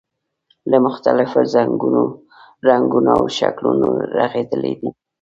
له مختلفو رنګونو او شکلونو رغېدلی دی.